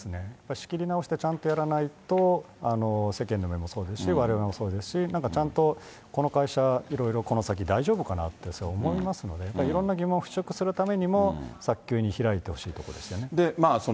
仕切り直してちゃんとやらないと、世間の目もそうですし、われわれもそうですし、なんかちゃんと、この会社はいろいろこの先、大丈夫かなって思いますので、やっぱりいろんな疑問を払拭するためにも、早急に開いてほしいところですよね。